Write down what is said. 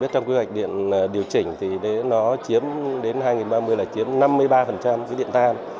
trong quy hoạch điện điều chỉnh thì nó chiếm đến hai nghìn ba mươi là chiếm năm mươi ba dưới điện than